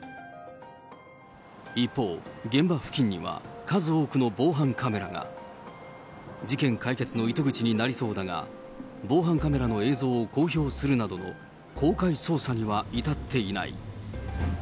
一方、現場付近には、数多くの防犯カメラが事件解決の糸口になりそうだが、防犯カメラの映像を公表するなどの公開捜査には至っていない。